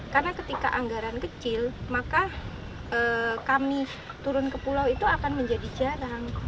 karena ketika anggaran kecil maka kami turun ke pulau itu akan menjadi jarang